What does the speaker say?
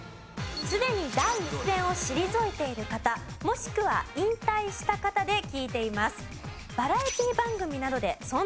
すでに第一線を退いている方もしくは引退した方で聞いています。